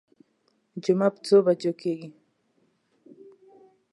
جمعه په څو بجو کېږي.